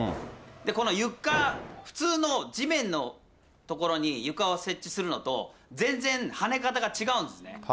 このゆか、普通の地面の所にゆかを設置するのと、全然はね方が違うんですね。